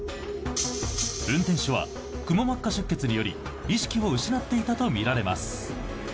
運転手はくも膜下出血により意識を失っていたとみられます。